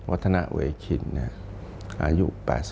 วัฒนาเวชินอายุ๘๐